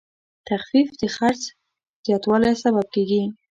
تخفیف د خرڅ زیاتوالی سبب کېږي.